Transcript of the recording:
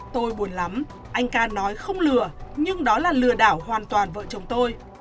tôi buồn lắm anh ca nói không lừa nhưng đó là lừa đảo hoàn toàn vợ chồng tôi